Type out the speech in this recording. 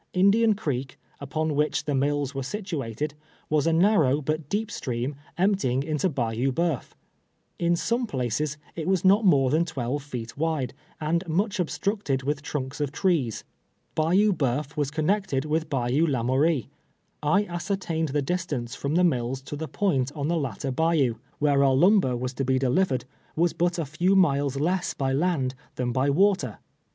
Indian Creek, upon which the mills were situated, was a narrow but deep stream emptying into Bayou Boeuf. In some places it was not more than twelve feet wide, and much obstructed with truid\ sof trees. Bayou Bceuf was connected with Bayou Lamou rie. I ascertained the distance from the mills to the point on the latter bayou, where our lumber was to be delivered, was but a few miles less by land than by water.